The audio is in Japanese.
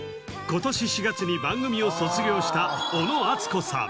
今年４月に番組を卒業した小野あつこさん